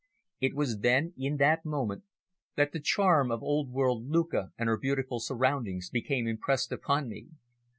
It was then, in that moment, that the charm of old world Lucca and her beautiful surroundings became impressed upon me.